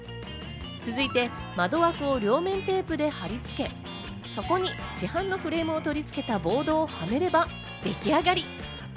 続いて窓枠を両面テープで貼り付け、そこに市販のフレームを取り付けたボードをはめれば、でき上がり。